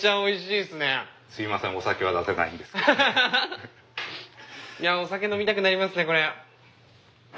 いやお酒飲みたくなりますねこれ。